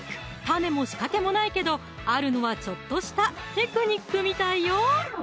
種も仕掛けもないけどあるのはちょっとしたテクニックみたいよ！